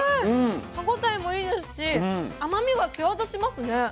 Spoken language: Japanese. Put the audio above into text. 歯応えもいいですし甘みが際立ちますね。